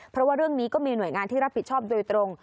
เพราะว่าเรื่องนี้ก็มีหน่วยงานที่รับผิดชอบโดยตรง